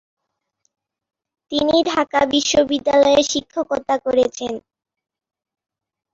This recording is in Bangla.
তিনি ঢাকা বিশ্ববিদ্যালয়েও শিক্ষকতা করেছেন।